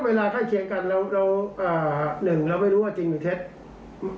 ก็เวลาใคร่เขียนกันหนึ่งเราไม่รู้ว่าจริงหรือเท็ด